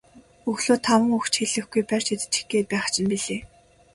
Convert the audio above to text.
Өглөө таван үг ч хэлүүлэхгүй барьж идчих гээд байх чинь билээ.